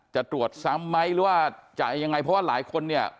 จะตรวจซ้ำไหมหรือว่าจะยังไงเพราะว่าหลายคนเนี่ย